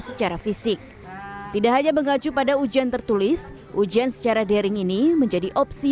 secara fisik tidak hanya mengacu pada ujian tertulis ujian secara daring ini menjadi opsi